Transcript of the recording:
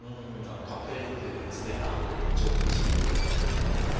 カフェインというのは腸に刺激を与えるので。